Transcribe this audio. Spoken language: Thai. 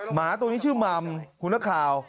หมาตัวนี้ชื่อมัมคุณนักข่าว